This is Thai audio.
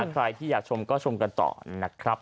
ใครที่อยากชมก็ชมกันต่อนะครับ